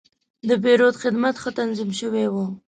د پیرود خدمت ښه تنظیم شوی و.